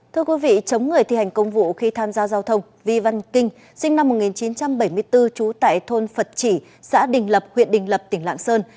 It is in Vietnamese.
thưa quý vị chống người thi hành công vụ khi tham gia giao thông vi văn kinh sinh năm một nghìn chín trăm bảy mươi bốn trú tại thôn phật chỉ xã đình lập huyện đình lập tỉnh lạng sơn